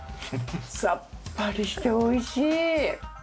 さっぱりしておいしい。